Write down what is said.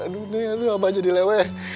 aduh neng aduh neng apa jadi leweh